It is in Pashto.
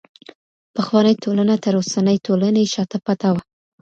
پخوانۍ ټولنه تر اوسنۍ ټولني شاته پاته وه.